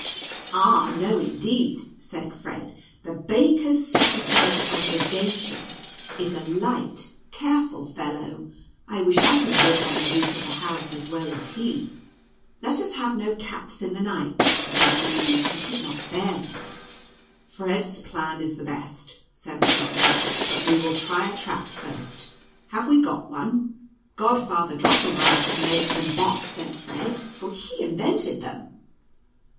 "Ah, no indeed," said Fred; "the baker's secretary of legation is a light, careful fellow. 100 NUTCRACKER AND MOUSE KENTG. I wish I could walk on the roof of a house as well as he !" "Let us have no cats in the night," said Louise, who could not bear them. "Fred's plan is the best," said the doctor, but we will try a trap first. Have we got one V "Godfather Drosselmeier can make them best," said Fred, " for he invented them."